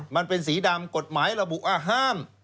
มันเป็นสีดำกฎหมายระบุว่าห้าม